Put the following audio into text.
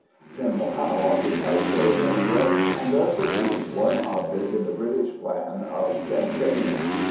^ General Howe occupied Philadelphia and thus achieved one object in the British plan of campaign.